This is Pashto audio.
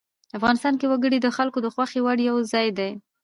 افغانستان کې وګړي د خلکو د خوښې وړ یو ځای دی.